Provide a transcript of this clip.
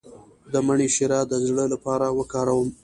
د مڼې شیره د زړه لپاره وکاروئ